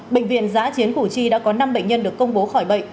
bệnh viện giã chiến củ chi đã có năm bệnh nhân được công bố khỏi bệnh